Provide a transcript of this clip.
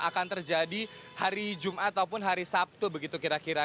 akan terjadi hari jumat ataupun hari sabtu begitu kira kira